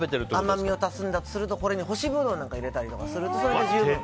甘みを足すとするとこれに干しブドウを入れたりするとそれで十分。